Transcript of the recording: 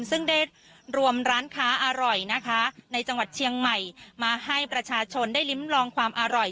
ซึ่งได้รวมร้านค้าอร่อยนะคะในจังหวัดเชียงใหม่มาให้ประชาชนได้ลิ้มลองความอร่อย